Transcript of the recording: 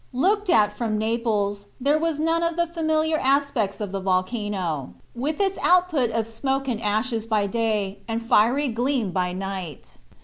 Looked at from Naples, there was none of the familiar aspects of the volcano, with its output of smoke and ashes by day and fiery gleam by night.